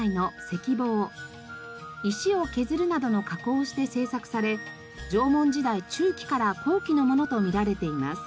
石を削るなどの加工をして製作され縄文時代中期から後期のものと見られています。